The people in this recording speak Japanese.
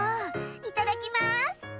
いただきます。